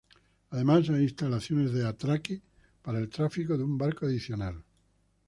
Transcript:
Además, hay instalaciones de atraque para el tráfico de un barco adicional.